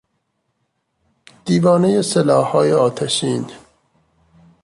دیوانهی سلاحهای آتشین